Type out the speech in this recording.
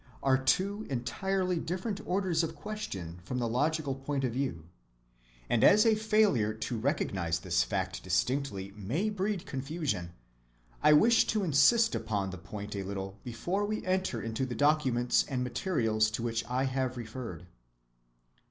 are two entirely different orders of question from the logical point of view; and, as a failure to recognize this fact distinctly may breed confusion, I wish to insist upon the point a little before we enter into the documents and materials to which I have referred.